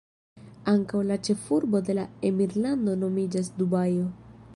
Ankaŭ la ĉefurbo de la emirlando nomiĝas Dubajo.